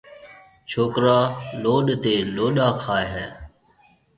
ڇوڪرا لوڏ تي لوڏ کائي هيَ۔